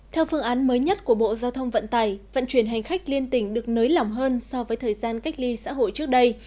theo phương án mới nhất của bộ giao thông vận tải vận chuyển hành khách liên tỉnh được nới lỏng hơn so với thời gian cách ly xã hội trước đây